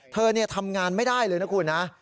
เธอทำงานไม่ได้เลยนะคุณนะ